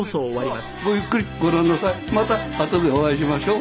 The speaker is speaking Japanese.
またあとでお会いしましょう。